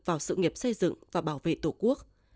vào sự nghiệp xây dựng và bảo vệ tổ quốc